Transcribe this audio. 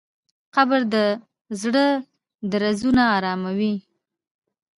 قبر د زړه درزونه اراموي.